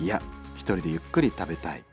１人でゆっくり食べたい」。